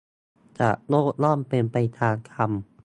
สัตว์โลกย่อมเป็นไปตามกรรม